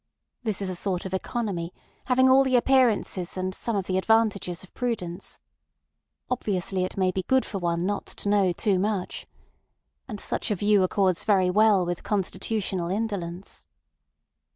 This is a sort of economy having all the appearances and some of the advantages of prudence. Obviously it may be good for one not to know too much. And such a view accords very well with constitutional indolence.